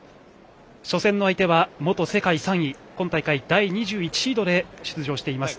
初戦の相手は元世界３位、今大会第２１シードで出場しています